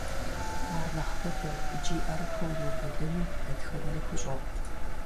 Ар нэхъ быдэу икӏи ӏэрыхуэу иубыдыну дэтхэнэри хущӏокъу.